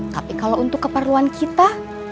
tapi kalau untuk keperluan kita